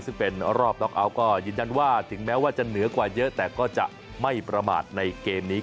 ซึ่งเป็นรอบน็อกเอาท์ก็ยืนยันว่าถึงแม้ว่าจะเหนือกว่าเยอะแต่ก็จะไม่ประมาทในเกมนี้